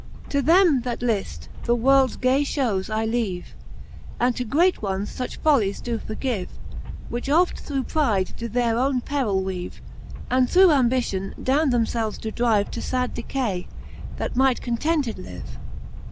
To them, that lift, the worlds gay fliowes I leave, And to great ones fuch follies doe forgive, Which oft through pride do their owne perill weave, And through ambition downe themfelves doe drive To fad decay, that might contented live.